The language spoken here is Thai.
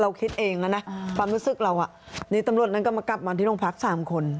คิดเองแล้วนะความรู้สึกเรานี่ตำรวจนั้นก็มากลับมาที่โรงพัก๓คน